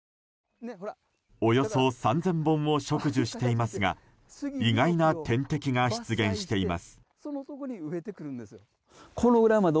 およそ３０００本を植樹していますが意外な天敵が出現しています。